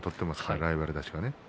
ライバルたちが。